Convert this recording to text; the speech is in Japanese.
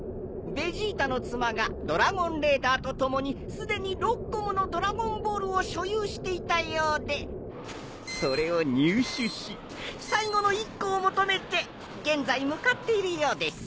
ベジータの妻がドラゴンレーダーと共にすでに６個ものドラゴンボールを所有していたようでそれを入手し最後の１個を求めて現在向かっているようです。